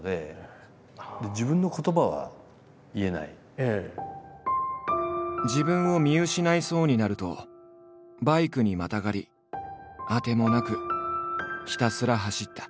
でやっぱり自分を見失いそうになるとバイクにまたがり当てもなくひたすら走った。